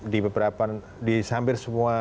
di beberapa di hampir semua